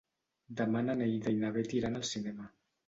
Demà na Neida i na Bet iran al cinema.